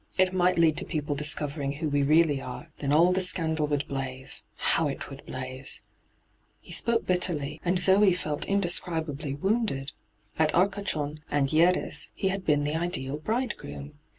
It might lead to people discovering who we really are ; then all the scandal would blaze — how it would blaze I' He spoke bitterly, and Zoe felt indescribably wounded. At Arcachon and Hy^res he had been the ideal bridegroom.